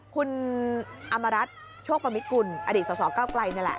คุณอำรัฐโชคพมิตรกุลอดีต๒๒๙๙ไกลนี่แหละ